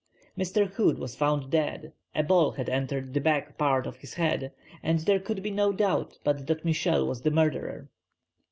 Mr. Hood was found dead; a ball had entered the back part of his head, and there could be no doubt but that Michel was the murderer.